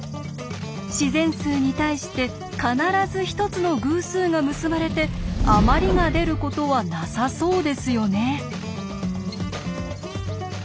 自然数に対して必ず１つの偶数が結ばれて「あまり」が出ることはなさそうですよね。